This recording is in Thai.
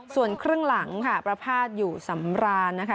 ส่วนครึ่งหลังค่ะประพาทอยู่สำรานนะคะ